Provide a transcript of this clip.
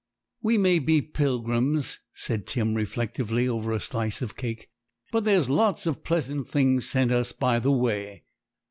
'We may be pilgrims,' said Tim reflectively, over a slice of cake, 'but there's lots of pleasant things sent us by the way.'